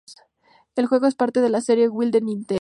El juego es parte de la serie Wii de Nintendo.